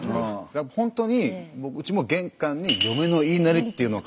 ほんとにうちも玄関に「嫁のいいなり」っていうのを。